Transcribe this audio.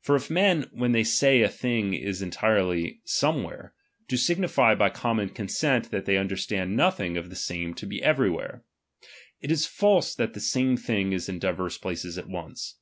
For if ^en, when they say a thing is entirely somewhere, do signif^' by common consent that they understand nothing of the same to be elsewhere ; it is false that the same thing is in divers places at once.